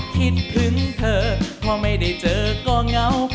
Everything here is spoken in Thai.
คิดถึงเธอพอไม่ได้เจอก็เงา